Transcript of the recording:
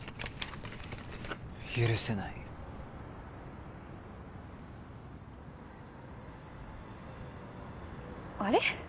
許せないあれ？